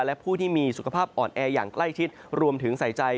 และผู้ที่มีสุขภาพอ่อนแออย่างใกล้ชิดรวมถึงใส่ใจ